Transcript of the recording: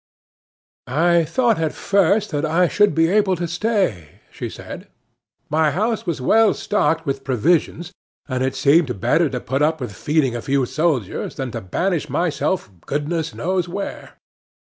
"I thought at first that I should be able to stay," she said. "My house was well stocked with provisions, and it seemed better to put up with feeding a few soldiers than to banish myself goodness knows where.